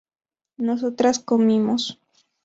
nosotras comimos